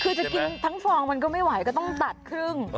คือจะกินทั้งฟองมันก็ไม่ไหวก็ต้องตัดครึ่ง